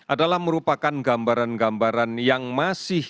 adalah merupakan gambaran epidemiologi data yang kita sampaikan ini